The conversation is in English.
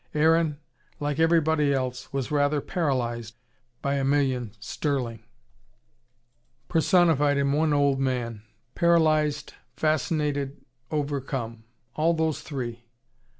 Aaron, like everybody else, was rather paralysed by a million sterling, personified in one old man. Paralysed, fascinated, overcome. All those three.